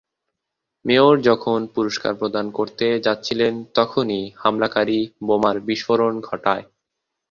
Mayor যখন পুরস্কার প্রদান করতে যাচ্ছিলেন তখনই হামলাকারী বোমার বিস্ফোরণ ঘটায়।